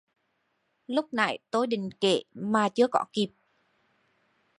Lúc nãy tôi định Kể mà chưa có kịp